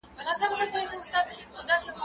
زه به نان خوړلی وي!.